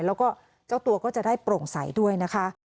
แล้วก็เจ้าตัวก็จะได้โปร่งใสด้วยนะคะ